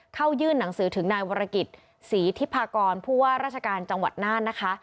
เข้ายื่นหนังสือถึงนายวรกิจศรีทิพากรผู้ว่าราชการจังหวัดน่านนะคะ